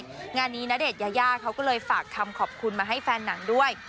งานนี้ณเดชนยายาเขาก็เลยฝากคำขอบคุณมาให้แฟนหนังด้วย